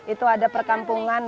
itu ada perkampungan